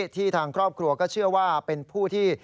ทางครอบครัวก็เชื่อว่าเป็นผู้ที่